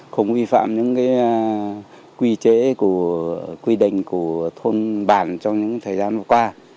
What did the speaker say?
không vi phạm những quy chế của quy định của thôn bản trong những thời gian vừa qua